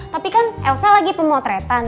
tapi kan elsa lagi pemotretan